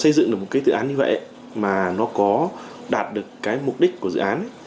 xây dựng được một cái dự án như vậy mà nó có đạt được cái mục đích của dự án